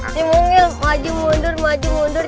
ini mungil maju mundur maju mundur